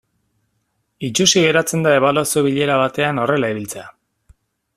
Itsusi geratzen da ebaluazio bilera batean horrela ibiltzea.